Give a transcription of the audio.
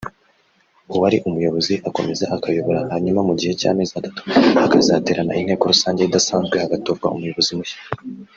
uwari umuyobozi akomeza akayobora hanyuma mu gihe cy’ amezi atatu hakazaterana inteko rusange idasanzwe hagatorwa umuyobozi mushya